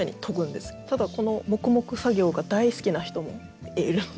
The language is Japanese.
ただこの黙々作業が大好きな人もいるので。